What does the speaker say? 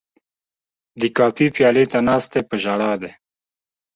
د کافي پیالې ته ناست دی په ژړا دی